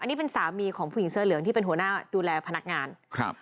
อันนี้เป็นสามีของผู้หญิงเสื้อเหลืองที่เป็นหัวหน้าดูแลพนักงานครับ